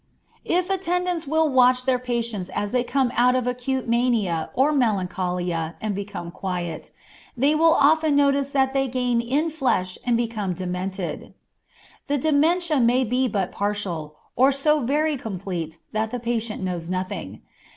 If attendants will watch their patients as they come out of acute mania or melancholia and become quiet, they will often notice that they gain in flesh and become demented. The dementia may be but partial, or so very complete that the patient knows nothing.